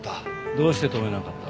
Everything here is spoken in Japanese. どうして止めなかった？